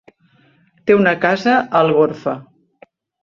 Té una casa a Algorfa.